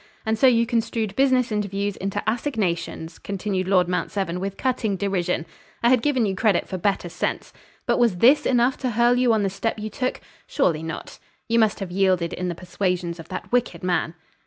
And so, you construed business interviews into assignations!" continued Lord Mount Severn with cutting derision. "I had given you credit for better sense. But was this enough to hurl you on the step you took? Surely not. You must have yielded in the persuasions of that wicked man."